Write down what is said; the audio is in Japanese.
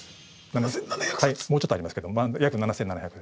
もうちょっとありますけど約７，７００です。